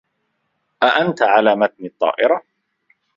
أأنتِ على متن الطّائرة.